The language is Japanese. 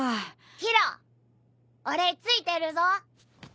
宙俺ついてるぞ！